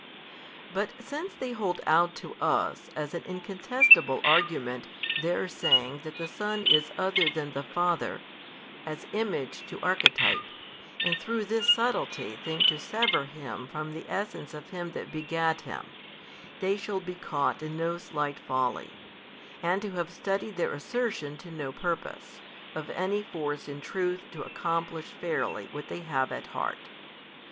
But since they hold out to us as an incontestable argument their saying that the Son is other than the Father, as Image to archetype, and through this subtlety4 think to sever Him from the Essence of Him That begat Him, they shall be caught in no slight folly, and to have studied their assertion to no purpose, of any force in truth to accomplish fairly what they have at heart.